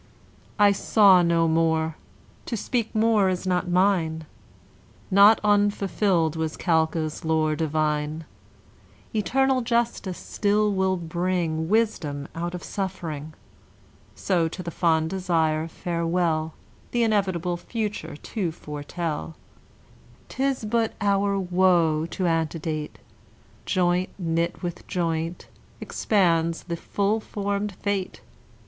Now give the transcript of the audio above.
I saw no more! to speak more is not mine; Not unfulfilled was Calchas' lore divine. Eternal justice still will bring Wisdom out of suffering. So to the fond desire farewell, The inevitable future to foretell; 'Tis but our woe to antedate; Joint knit with joint, expands the full formed fate.